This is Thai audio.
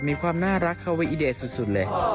มีความน่ารักเข้าไว้อีเดตสุดเลย